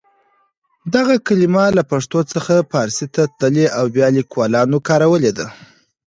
دغه کلمه له پښتو څخه پارسي ته تللې او بیا لیکوالانو کارولې ده.